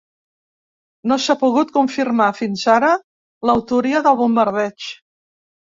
No s’ha pogut confirmar, fins ara, l’autoria del bombardeig.